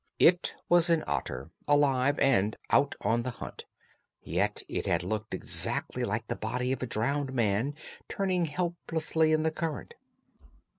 It was an otter, alive, and out on the hunt; yet it had looked exactly like the body of a drowned man turning helplessly in the current.